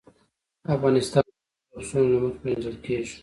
افغانستان د خپلو پسونو له مخې پېژندل کېږي.